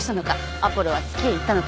アポロは月へ行ったのか。